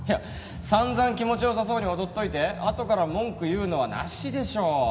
散々気持ち良さそうに踊っといてあとから文句言うのはなしでしょ。